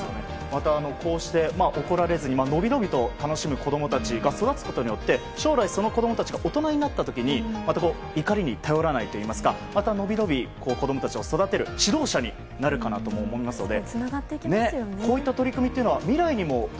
またこうして怒られずにのびのびと楽しむ子供たちが育つことによって将来その子供たちが大人になった時に怒りに頼らないといいますか伸び伸び子供たちを育てる指導者になるかなと思いますので。